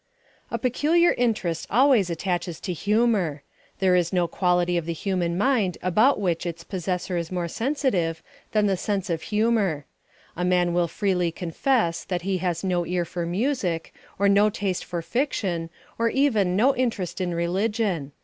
A peculiar interest always attaches to humour. There is no quality of the human mind about which its possessor is more sensitive than the sense of humour. A man will freely confess that he has no ear for music, or no taste for fiction, or even no interest in religion.